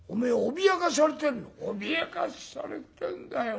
「脅かされてんだよ。